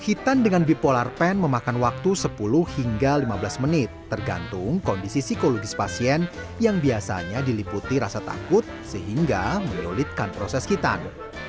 hitan dengan bipolar pen memakan waktu sepuluh hingga lima belas menit tergantung kondisi psikologis pasien yang biasanya diliputi rasa takut sehingga menyulitkan proses hitan